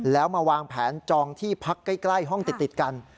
แล้วมาวางแผนจองที่พักใกล้ห้องติดกัน